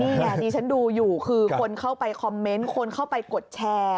นี่ไงดิฉันดูอยู่คือคนเข้าไปคอมเมนต์คนเข้าไปกดแชร์